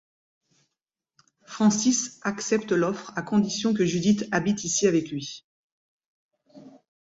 Francis accepte l'offre à condition que Judith habite ici avec lui.